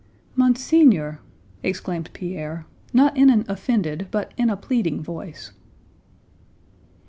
"Monseigneur!" exclaimed Pierre, not in an offended but in a pleading voice.